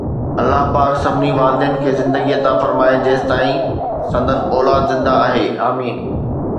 الله پاڪ سڀني والدين کي زندگي عطا فرمائي جيستائين سندن اولاد زندهه آهي، آمين